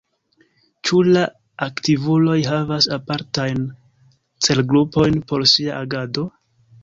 Ĉu la aktivuloj havas apartajn celgrupojn por sia agado?